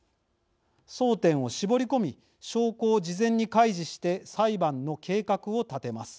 争点を絞り込み証拠を事前に開示して裁判の計画を立てます。